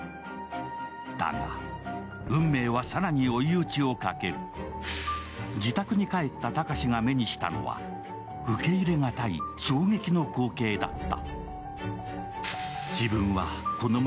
だが、運命は更に追い打ちをかける自宅に帰った高志が目にしたのは受け入れがたい衝撃の光景だった。